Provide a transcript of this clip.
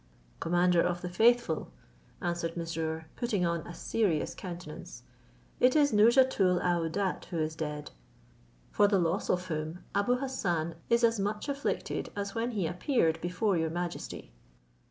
"Commander of the faithful," answered Mesrour, putting on a serious countenance, "it is Nouzhatoul aouadat who is dead, for the loss of whom About Hassan is as much afflicted as when he appeared before your majesty."